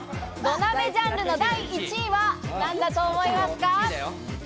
土鍋ジャンルの第１位は何だと思いますか？